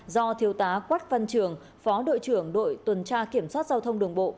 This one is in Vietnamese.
do thiếu tá quách văn trường phó đội trưởng đội tuần tra kiểm soát giao thông đường bộ